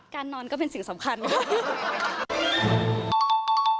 การนอนก็เป็นสิ่งสำคัญนะครับ